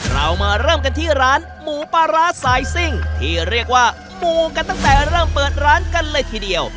เรามาเริ่มกันที่ร้านหมูปลาร้าสายซิ่งที่เรียกว่ามูกันตั้งแต่เริ่มเปิดร้านกันเลยทีเดียว